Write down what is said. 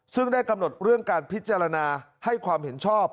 ซึ่งได้กำหนดเรื่องการพิจารณาให้ความเห็นชอบ